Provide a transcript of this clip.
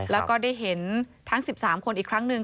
แล้วก็ได้เห็นทั้ง๑๓คนอีกครั้งหนึ่ง